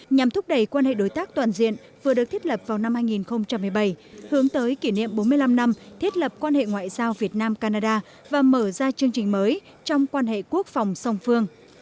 nhằm thúc đẩy quan hệ đối tác toàn diện vừa được thiết lập vào năm hai nghìn một mươi bảy hướng tới kỷ niệm bốn mươi năm năm thiết lập quan hệ ngoại giao việt nam canada và mở ra chương trình mới trong quan hệ quốc phòng song phương